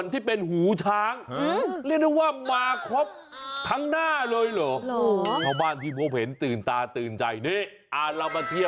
เทียบกันแบบนี้เลย